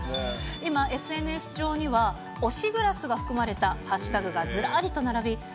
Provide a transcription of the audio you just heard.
今、ＳＮＳ上には、推しグラスが含まれた＃がずらりと並び、＃